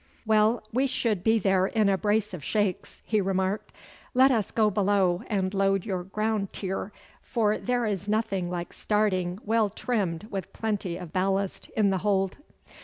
'Well, we shall be there in a brace of shakes,' he remarked. 'Let us go below and load your ground tier, for there is nothing like starting well trimmed with plenty of ballast in the hold.